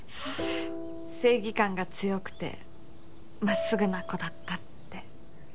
正義感が強くてまっすぐな子だったって。